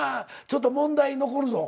ちょっと問題残るぞ。